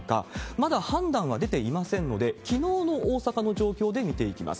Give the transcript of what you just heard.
まだ判断は出ていませんので、きのうの大阪の状況で見ていきます。